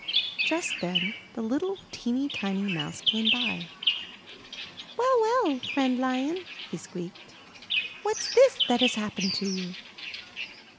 *' Just then the little teeny, tiny Mouse came by. 'Well, well, friend Lion!" he squeaked, 'Whafs this that has happened to you?''